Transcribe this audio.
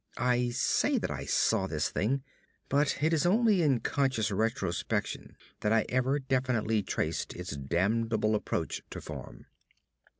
I say that I saw this thing, but it is only in conscious retrospection that I ever definitely traced its damnable approach to form.